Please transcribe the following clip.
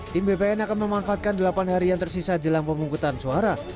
tim bpn akan memanfaatkan delapan hari yang tersisa jelang pemungkutan suara